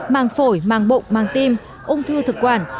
màng phổi màng bụng mang tim ung thư thực quản